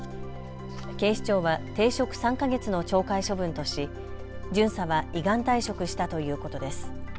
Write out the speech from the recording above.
警視庁は停職３か月の懲戒処分とし巡査は依願退職したということです。